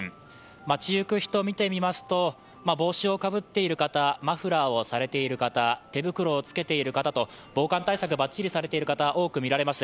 街ゆく人を見てみますと、帽子をかぶっている方、マフラーをされている方手袋を着けている方と防寒対策ばっちりされている方多く見られます。